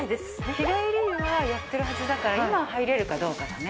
日帰り湯はやってるはずだから今入れるかどうかだね。